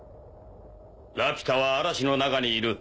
ラピュタは嵐の中にいる。